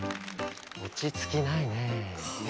落ち着きないねぇ。